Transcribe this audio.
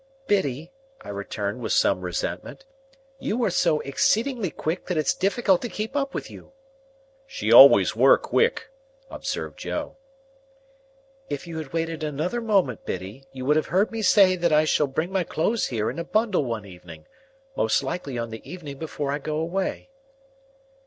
"Biddy," I returned with some resentment, "you are so exceedingly quick that it's difficult to keep up with you." ("She always were quick," observed Joe.) "If you had waited another moment, Biddy, you would have heard me say that I shall bring my clothes here in a bundle one evening,—most likely on the evening before I go away."